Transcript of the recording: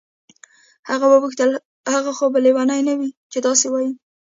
هغې وپوښتل هغه خو به لیونی نه وي چې داسې وایي.